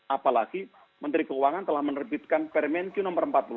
apalagi menteri keuangan telah menerbitkan permen q no empat puluh empat